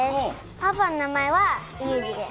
パパの名前はユージです。